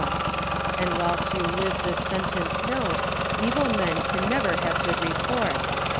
And whilst you live this sentence note, Evill men can never have good report.